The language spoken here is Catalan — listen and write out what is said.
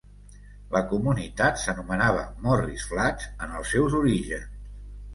La comunitat s'anomenava Morris Flats en els seus orígens.